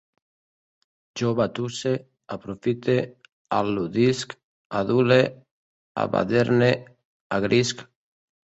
Jo batusse, aprofite, al·ludisc, adule, abaderne, agrisc